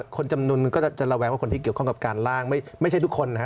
คนจำนวนนึงก็จะระแวงว่าคนที่เกี่ยวข้องกับการล่างไม่ใช่ทุกคนนะฮะ